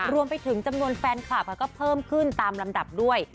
รวมไปถึงจำนวนแฟนคลับก็เพิ่มขึ้นตามลำดับด้วย